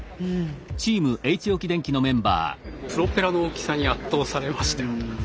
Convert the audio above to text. プロペラの大きさに圧倒されました。